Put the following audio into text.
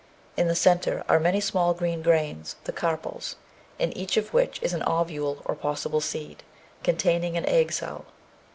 In the centre are many small green grains, the carpels, in each of which is an ovule or possible seed, containing an egg cell.